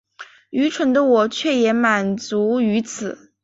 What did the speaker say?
愚蠢的我却也满足於此